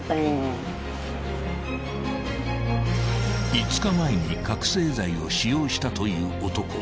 ［５日前に覚醒剤を使用したという男］